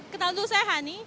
kenal dulu saya hani